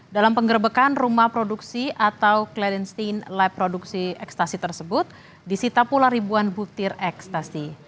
dalam penggerbekan rumah produksi atau cleanstein lab produksi ekstasi tersebut disita pula ribuan butir ekstasi